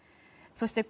そして、